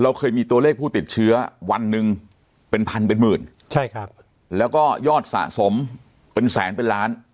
เคยมีตัวเลขผู้ติดเชื้อวันหนึ่งเป็นพันเป็นหมื่นใช่ครับแล้วก็ยอดสะสมเป็นแสนเป็นล้าน